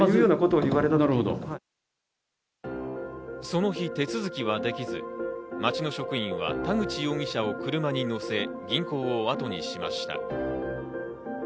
その日、手続きはできず、町の職員は田口容疑者を車に乗せ銀行をあとにしました。